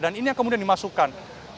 dan ini yang kemudian dimasukkan